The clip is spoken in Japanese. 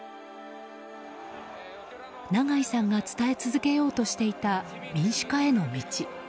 長井さんが伝え続けようとしていた民主化への道。